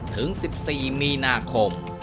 ถึง๑๔มีนาคม